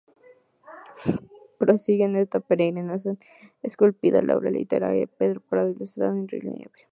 Prosigue en esta peregrinación esculpida, la obra literaria de Pedro Prado, ilustrada en relieve.